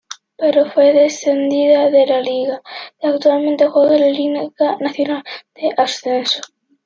Pero fue descendido de la liga, actualmente juega en la Liga Nacional de Ascenso